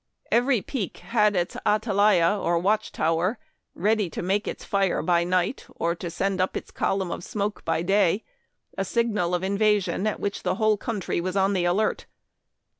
Every peak had its atalaya or watch tower, ready to make its fire by night, or to send up its column of smoke by day, a signal of invasion at which the whole country was on the alert.